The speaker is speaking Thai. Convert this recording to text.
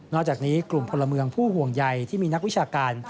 อกจากนี้กลุ่มพลเมืองผู้ห่วงใยที่มีนักวิชาการ